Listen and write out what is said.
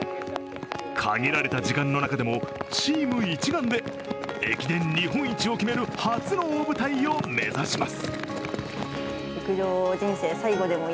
限られた時間の中でもチーム一丸で駅伝日本一を決める初の大舞台を目指します。